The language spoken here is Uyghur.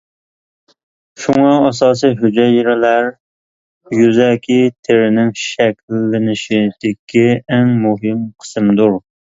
شۇڭا ئاساسى ھۈجەيرىلەر يۈزەكى تېرىنىڭ شەكىللىنىشىدىكى ئەڭ مۇھىم قىسىمدۇر.